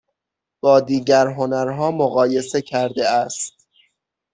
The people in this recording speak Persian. با دیگر هنرها مقایسه کرده است